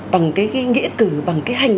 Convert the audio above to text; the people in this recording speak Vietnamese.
bằng nghĩa cử bằng hành